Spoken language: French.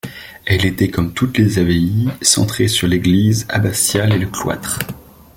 Elle était comme toutes les abbayes centrée sur l'église abbatiale et le cloître.